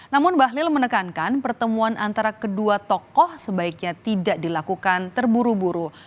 namun bahlil menekankan pertemuan antara kedua tokoh sebaiknya tidak dilakukan terburu buru